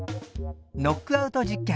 ノックアウト実験